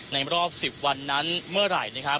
ในรอบ๑๐วันนั้นเมื่อไหร่นะครับ